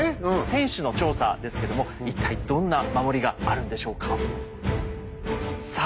天守の調査ですけども一体どんな守りがあるんでしょうか？